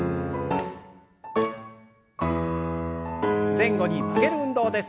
前後に曲げる運動です。